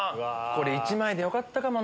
１枚でよかったかもな。